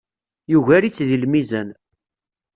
Yugar-itt deg lmizan.